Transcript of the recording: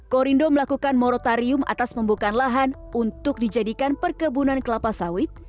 korindo melakukan moratarium atas pembukaan lahan untuk dijadikan perkebunan kelapa sawit